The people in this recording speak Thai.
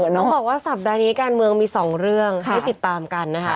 ต้องบอกว่าสัปดาห์นี้การเมืองมี๒เรื่องให้ติดตามกันนะคะ